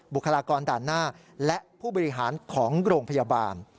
คลากรด่านหน้าและผู้บริหารของโรงพยาบาล